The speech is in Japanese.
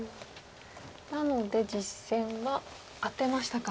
なので実戦はアテましたか。